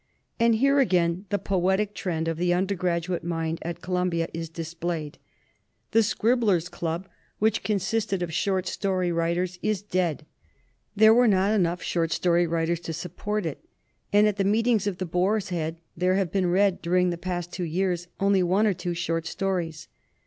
"And here again the poetic trend of the under graduate mind at Columbia is displayed. The Scribblers' Club, which consisted of short story writers, is dead there were not enough short story writers to support it. And at the meetings of Boar's Head there have been read, during the past two years, only one or two short stories.